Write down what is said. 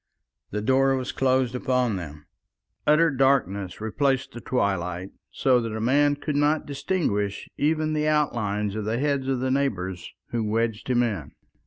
The door was closed upon them, utter darkness replaced the twilight, so that a man could not distinguish even the outlines of the heads of the neighbours who wedged him in.